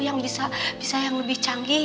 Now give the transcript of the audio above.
yang bisa yang lebih canggih